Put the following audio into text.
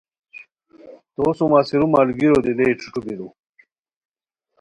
تو سُم اسیرو ملگیریو دی لیے ݯھو ݯھو بیرو